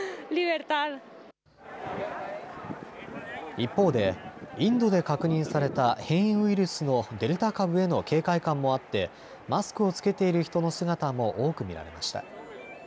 一方でインドで確認された変異ウイルスのデルタ株への警戒感もあってマスクを着けている人の姿も多く見られました。